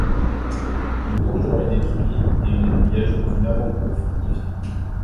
Le Donjon est détruit, et on lui ajoute une avant-cour fortifiée.